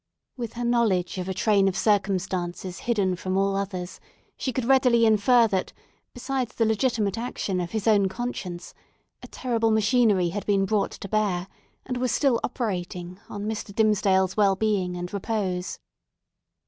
With her knowledge of a train of circumstances hidden from all others, she could readily infer that, besides the legitimate action of his own conscience, a terrible machinery had been brought to bear, and was still operating, on Mr. Dimmesdale's well being and repose.